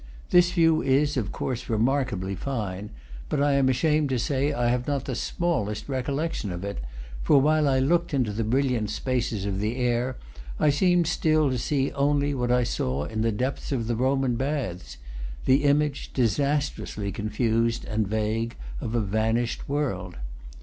This view is, of course, remarkably fine, but I am ashamed to say I have not the smallest recollection of it; for while I looked into the brilliant spaces of the air I seemed still to see only what I saw in the depths of the Roman baths, the image, disastrously confused and vague, of a vanished world.